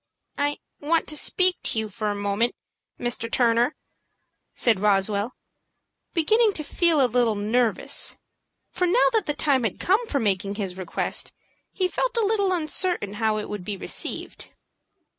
"I want to speak to you for a moment, Mr. Turner," said Roswell, beginning to feel a little nervous; for now that the time had come for making his request, he felt a little uncertain how it would be received.